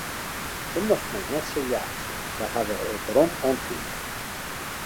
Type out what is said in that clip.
Do moatst my net sa jachtsje, we hawwe it rûm oan tiid.